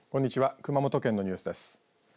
熊本県のニュースです。